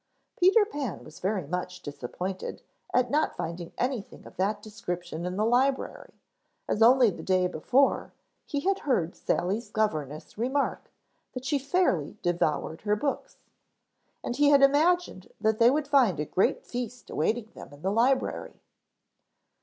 Peter Pan was very much disappointed at not finding anything of that description in the library, as only the day before he had heard Sally's governess remark that she fairly devoured her books. And he had imagined that they would find a great feast awaiting them in the library.